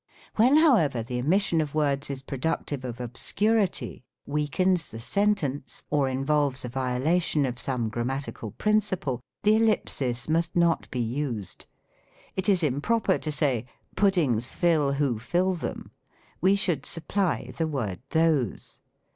When, however, the omission of words is productive of obscurity, weakens the sentence, or involves a viola tion of some grammatical principle, the ellipsis must not be used. It is improper to say, "Puddings fill who fill them ;" we should supply the word tliose.